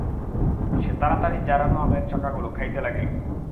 সে তাড়াতাড়ি জারানো আমের চাকলাগুলি খাইতে লাগিল।